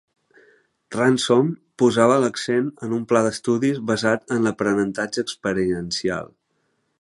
Ransom posava l'accent en un pla d'estudis basat en l'aprenentatge experiencial.